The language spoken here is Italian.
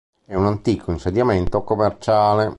È un antico insediamento commerciale.